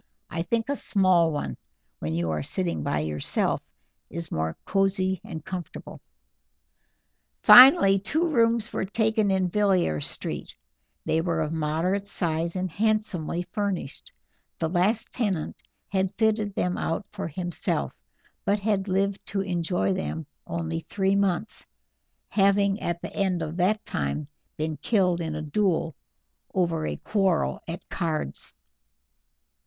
I think a small one, when you are sitting by yourself, is more cozy and comfortable." Finally two rooms were taken in Villiers Street; they were of moderate size and handsomely furnished: the last tenant had fitted them out for himself, but had lived to enjoy them only three months, having at the end of that time been killed in a duel over a quarrel at cards.